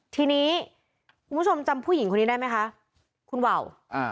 ทีนี้คุณผู้ชมจำผู้หญิงคนนี้ได้ไหมคะคุณว่าวอ่า